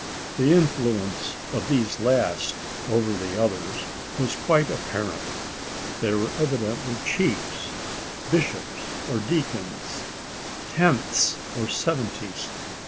The influence of these last over the others was quite apparent. They were evidently chiefs bishops or deacons "tenths" or "seventies."